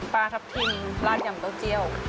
ปลาทับทิมลาดยำเต้าเจียว